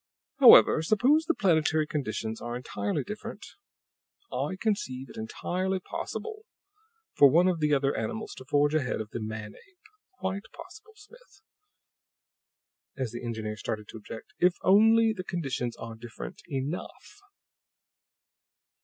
"However, suppose the planetary conditions are entirely different. I conceive it entirely possible for one of the other animals to forge ahead of the man ape; quite possible, Smith," as the engineer started to object, "if only the conditions are different ENOUGH.